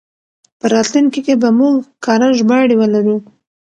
په راتلونکي کې به موږ کره ژباړې ولرو.